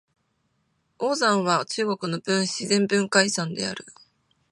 黄山は中国の自然文化遺産である。